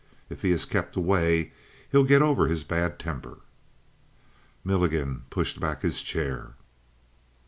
If he is kept away he'll get over his bad temper." Milligan pushed back his chair.